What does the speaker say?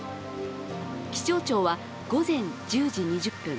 気象庁は午前１０時２０分